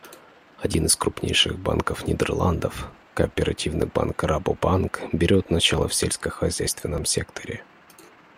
Один из крупнейших банков Нидерландов, кооперативный банк «Рабобанк», берет начало в сельскохозяйственном секторе.